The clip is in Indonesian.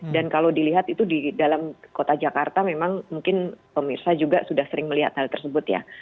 dan kalau dilihat itu di dalam kota jakarta memang mungkin pemirsa juga sudah sering melihat hal tersebut ya